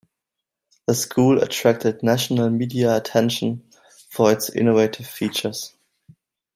The school attracted national media attention for its innovative features.